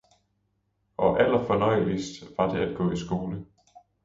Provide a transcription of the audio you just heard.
og allerfornøjeligst var det at gå i skole.